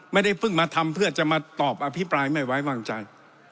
ไม่ได้เพิ่งมาทำเพื่อจะมาตอบอภิปรายไม่ไว้วางใจ